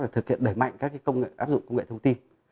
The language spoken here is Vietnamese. để thực hiện đẩy mạnh các cái công nghệ áp dụng công nghệ thông tin